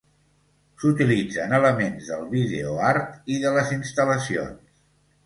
S'utilitzen elements del videoart i de les instal·lacions.